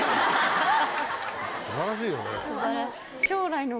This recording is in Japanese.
素晴らしいよね。